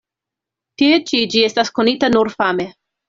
Tie ĉi ĝi estas konita nur fame.